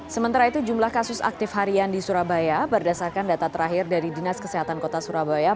sementara itu jumlah kasus aktif harian di surabaya berdasarkan data terakhir dari dinas kesehatan kota surabaya